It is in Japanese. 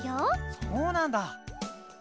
そうなんだ。